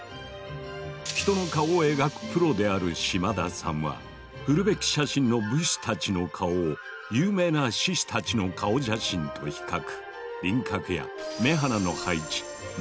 人の顔を描くプロである島田さんはフルベッキ写真の武士たちの顔を有名な志士たちの顔写真と比較。